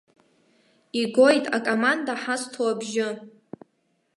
Игоит акоманда ҳазҭо абжьы.